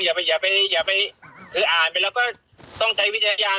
อย่าไปคืออ่านไปแล้วก็ต้องใช้วิทยาศาล